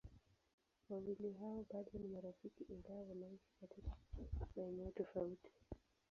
Wawili hao bado ni marafiki ingawa wanaishi katika maeneo tofauti.